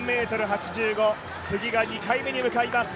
４ｍ８５次が２回目に向かいます。